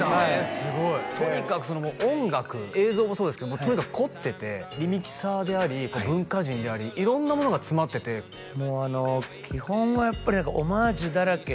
すごいとにかく音楽映像もそうですけどもとにかく凝っててリミキサーでありこう文化人であり色んなものが詰まっててもう基本はやっぱり何かオマージュだらけ